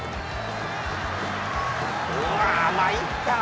うわー、参ったな。